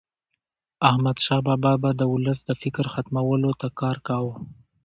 احمدشاه بابا به د ولس د فقر ختمولو ته کار کاوه.